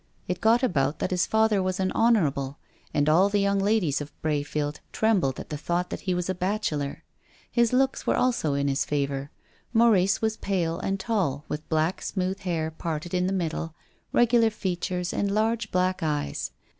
It got about that his father was an Honourable, and all the young ladies of Brayfield trembled at the thought that he was a bachelor. His looks were also in his favour. Maurice was pale and tall, with black, smooth hair parted in the middle, regular features, and large black eyes.